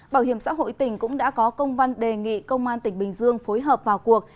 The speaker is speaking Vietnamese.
bảo hiểm xã hội tỉnh cũng đã có công văn đề nghị công an tỉnh bình dương phối hợp vào cuộc